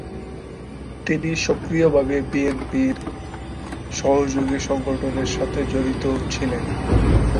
তিনি সক্রিয়ভাবে বিএনপির সহযোগী সংগঠনের সাথে জড়িত ছিলেন।